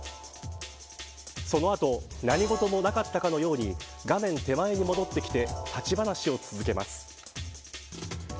その後、何事もなかったかのように画面手前に戻ってきて立ち話を続けます。